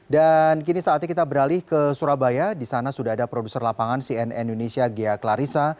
kini saatnya kita beralih ke surabaya di sana sudah ada produser lapangan cnn indonesia ghea klarissa